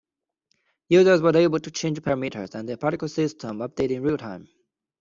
Users were able to change parameters and the particle system updated in real time.